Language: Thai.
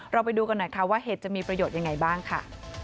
ไปดูกันหน่อยค่ะว่าเห็ดจะมีประโยชน์ยังไงบ้างค่ะ